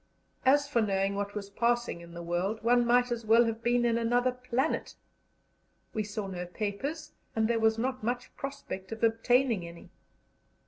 As for knowing what was passing in the world, one might as well have been in another planet. We saw no papers, and there was not much prospect of obtaining any.